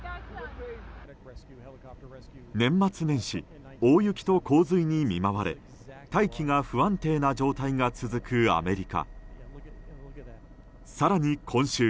年末年始、大雪と洪水に見舞われ大気が不安定な状態が続くアメリカ。